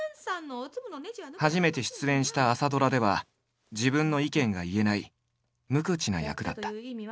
初めて出演した朝ドラでは自分の意見が言えない無口な役だった。